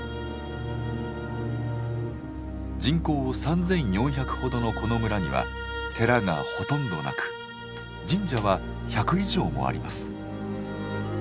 人口３，４００ほどのこの村には寺がほとんどなく神社は１００以上もあります。